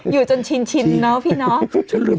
อยู่จนชินเนาะพี่น้อง